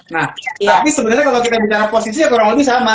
nah tapi sebenarnya kalau kita bicara posisi ya kurang lebih sama